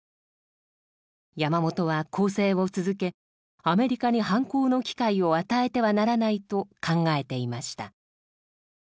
山本は攻勢を続けアメリカに反攻の機会を与えてはならないと考えていました。